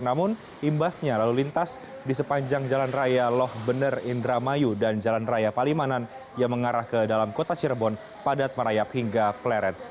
namun imbasnya lalu lintas di sepanjang jalan raya loh bener indramayu dan jalan raya palimanan yang mengarah ke dalam kota cirebon padat merayap hingga pleret